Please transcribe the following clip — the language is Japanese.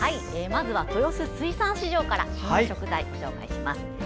まずは、豊洲水産市場から旬の食材を紹介します。